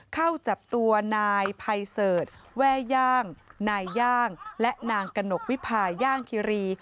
เข้าจับตัวนายภัยเสิร์ชแว่ย่างนายย่างและนางกระหนกวิพาย่างคิรี